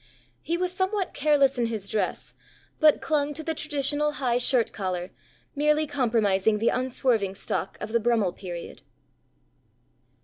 He was somewhat careless in his dress, but clung to the traditional high shirt collar, merely compromising the unswerving stock of the Brummell period."